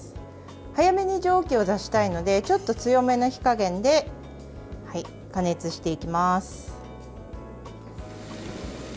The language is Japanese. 早めに蒸気を出したいのでちょっと強めの火加減で加熱していきます。